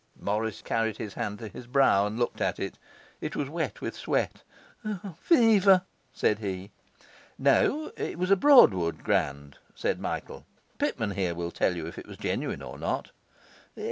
Morris carried his hand to his brow and looked at it; it was wet with sweat. 'Fever,' said he. 'No, it was a Broadwood grand,' said Michael. 'Pitman here will tell you if it was genuine or not.